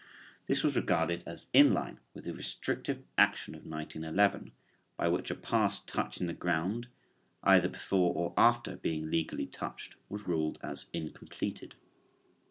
This was regarded as in line with the restrictive action of 1911, by which a pass touching the ground either before or after being legally touched was ruled as incompleted.